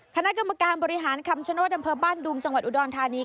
คณะกรรมการบริหารคำชโนธอำเภอบ้านดุงจังหวัดอุดรธานี